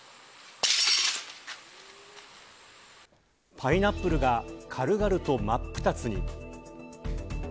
パイナップルが軽々と真っ二つに。